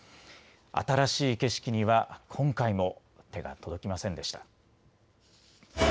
新しい景色には今回も手が届きませんでした。